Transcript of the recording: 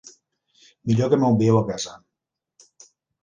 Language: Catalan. Millor que m'ho envieu a casa.